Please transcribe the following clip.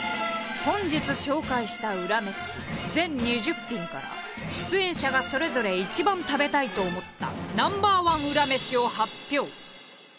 本日紹介したウラ飯全２０品から出演者がそれぞれ一番食べたいと思ったＮｏ．１ウラ飯を発表。